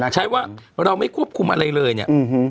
ใช้ว่าเราไม่ควบคุมอะไรเลยเนี่ย